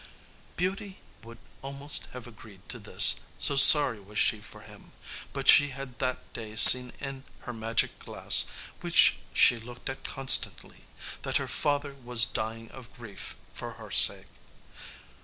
Beauty would almost have agreed to this, so sorry was she for him, but she had that day seen in her magic glass, which she looked at constantly, that her father was dying of grief for her sake.